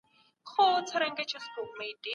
نوي پوهان به د ادب په اړه ډېر تحقیق وکړي.